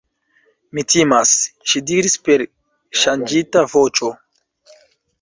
Mi timas, ŝi diris per ŝanĝita voĉo.